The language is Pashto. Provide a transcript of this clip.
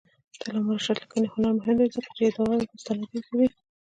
د علامه رشاد لیکنی هنر مهم دی ځکه چې ادعاوې مستندې کوي.